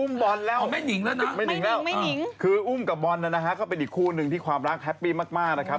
บอลแล้วไม่หิงแล้วหนึ่งไม่หนิงแล้วคืออุ้มกับบอลนะฮะก็เป็นอีกคู่หนึ่งที่ความรักแฮปปี้มากนะครับ